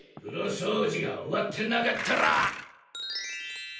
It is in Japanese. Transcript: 風呂掃除が終わってなかったら。